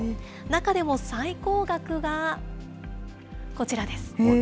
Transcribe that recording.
中でも最高額が、こちらです。